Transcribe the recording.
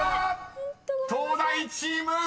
［東大チーム